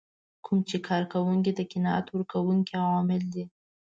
کوم چې کار کوونکو ته قناعت ورکوونکي عوامل دي.